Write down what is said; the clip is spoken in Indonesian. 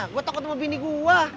gue takut ketemu bini gue